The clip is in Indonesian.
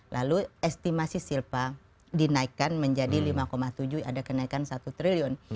lalu estimasi silpa dinaikkan menjadi lima tujuh ada kenaikan satu triliun